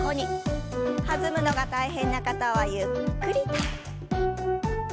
弾むのが大変な方はゆっくりと。